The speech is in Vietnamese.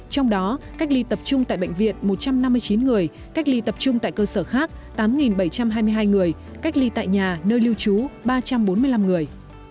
trong đó cách ly tập trung tại bệnh viện một trăm năm mươi chín người cách ly tập trung tại cơ sở khác tám bảy trăm hai mươi hai người cách ly tại nhà nơi lưu trú ba trăm bốn mươi năm người